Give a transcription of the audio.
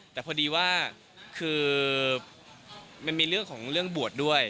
แต่พอดีว่าเนี่ยมันมีเรือนเรื่องบวชด้วย